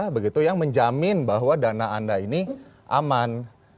begitu yang menjamin bahwa dana anda ini aman